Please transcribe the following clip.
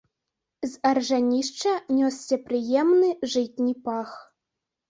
З аржанішча нёсся прыемны жытні пах.